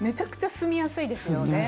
住みやすいですよね。